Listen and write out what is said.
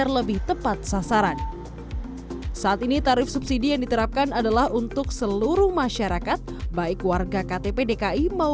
pemerintah provinsi dki jakarta